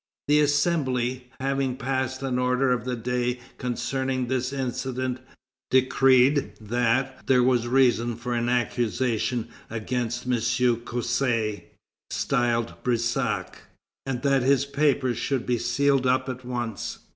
The Assembly, having passed an order of the day concerning this incident, decreed that "there was reason for an accusation against M. Cossé, styled Brissac, and that his papers should be sealed up at once."